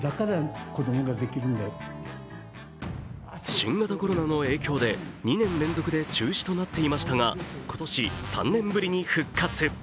新型コロナの影響で、２年連続で中止となっていましたが今年３年ぶりに復活。